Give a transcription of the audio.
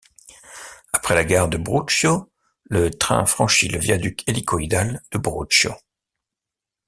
Après la gare de Brusio, le train franchit le viaduc hélicoïdal de Brusio.